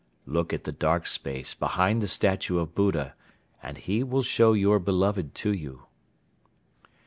"Look at the dark space behind the statue of Buddha and he will show your beloved to you."